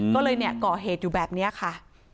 ก็เลยก่อเหตุอยู่แบบนี้ค่ะ